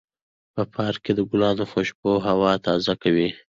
په پارک کې د ګلانو خوشبو هوا تازه کوي.